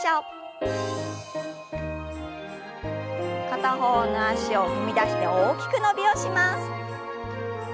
片方の脚を踏み出して大きく伸びをします。